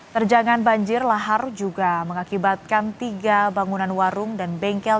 terjangan banjir lahar juga mengakibatkan tiga bangunan warung dan bengkel